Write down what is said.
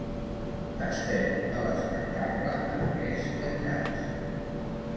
Tastet de l'espectacle en aquest enllaç.